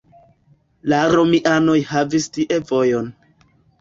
La romianoj havis tie vojon.